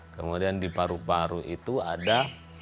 kemudian di paru paru itu ada